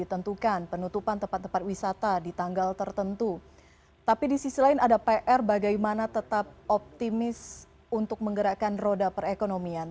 tapi di sisi lain ada pr bagaimana tetap optimis untuk menggerakkan roda perekonomian